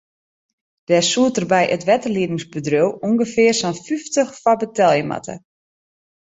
Dêr soed er by it wetterliedingbedriuw ûngefear sân fyftich foar betelje moatte.